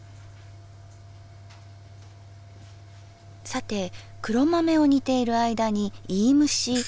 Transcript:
さて黒豆を煮ている間にいいむし。